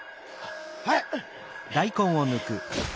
はい！